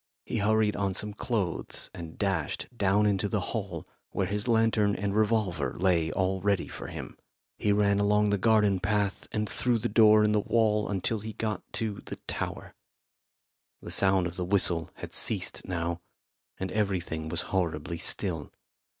He hurried on some clothes and dashed down into the hall, where his lantern and revolver lay all ready for him. He ran along the garden path and through the door in the wall until he got to the tower. The sound of the whistle had ceased now, and everything was horribly still.